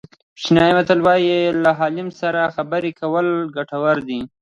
چینایي متل وایي له عالم سره خبرې کول ګټور دي.